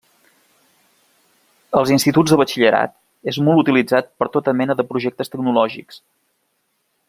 Als instituts de batxillerat és molt utilitzat per a tota mena de projectes tecnològics.